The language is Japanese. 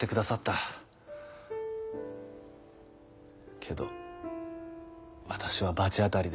けど私は罰当たりで。